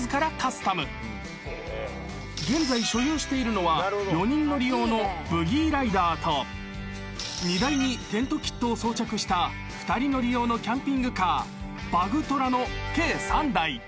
［現在所有しているのは４人乗り用のブギーライダーと荷台にテントキットを装着した２人乗り用のキャンピングカーバグトラの計３台］